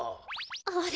あれ？